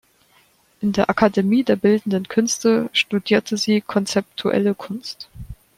In der Akademie der bildenden Künste studierte sie konzeptuelle Kunst.